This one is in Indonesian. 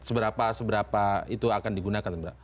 seberapa itu akan digunakan